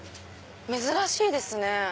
珍しいですね。